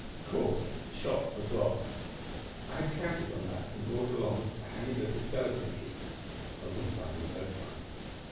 Of course, the shop was locked. I had counted on that and had brought along a handy little skeleton key. I was inside in no time.